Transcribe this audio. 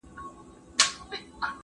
هر مرغه به یې حملې ته آماده سو `